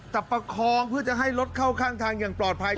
แต่ประคองเพื่อจะให้รถเข้าข้างทางอย่างปลอดภัย